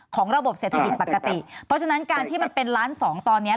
ระบบเศรษฐกิจปกติเพราะฉะนั้นการที่มันเป็นล้านสองตอนเนี้ย